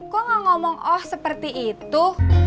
kok gak ngomong oh seperti itu